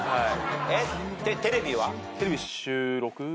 えっテレビは？